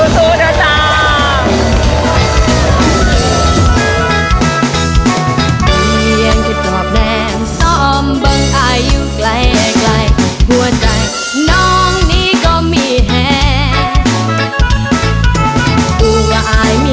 สู้เดี๋ยวตาม